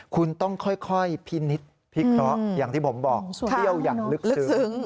คุณต้องค่อยพินิษฐ์พิเคราะห์อย่างที่ผมบอกเที่ยวอย่างลึกซึ้ง